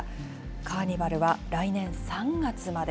カーニバルは来年３月まで。